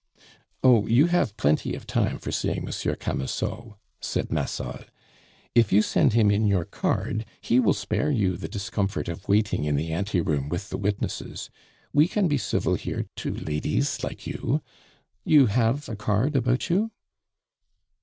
"Oh, you have plenty of time for seeing Monsieur Camusot," said Massol. "If you send him in your card, he will spare you the discomfort of waiting in the ante room with the witnesses. We can be civil here to ladies like you. You have a card about you?"